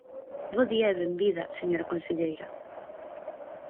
Bo día e benvida, señora conselleira.